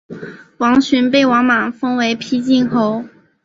王寻被王莽封为丕进侯。